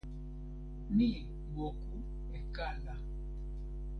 mi moku e kala.